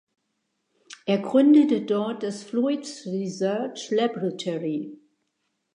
Er gründete dort das Fluids Research Laboratory.